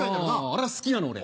あれが好きなの俺。